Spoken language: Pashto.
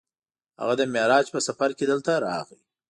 هغه د معراج په سفر کې دلته راغی.